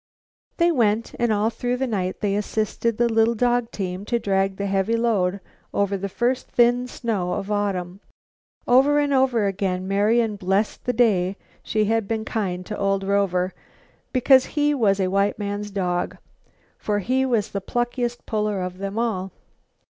They went, and all through the night they assisted the little dog team to drag the heavy load over the first thin snow of autumn. Over and over again Marian blessed the day she had been kind to old Rover because he was a white man's dog, for he was the pluckiest puller of them all.